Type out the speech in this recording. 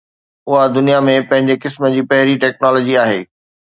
اها دنيا ۾ پنهنجي قسم جي پهرين ٽيڪنالاجي آهي.